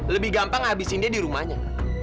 lebih gampang habisin dia di rumahnya